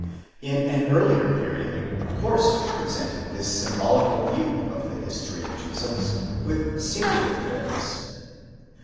At an earlier period, Horst presented this symbolical view of the history of Jesus with singular clearness.